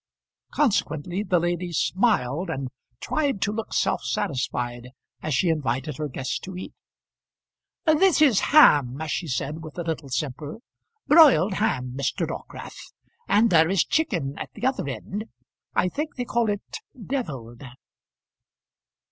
Consequently the lady smiled and tried to look self satisfied as she invited her guest to eat. "This is ham," said she with a little simper, "broiled ham, Mr. Dockwrath; and there is chicken at the other end; I think they call it devilled."